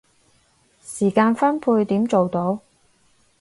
時間分配點做到